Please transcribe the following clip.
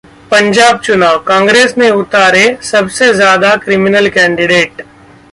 पंजाब चुनाव: कांग्रेस ने उतारे सबसे ज्यादा क्रिमिनल कैंडिडेट!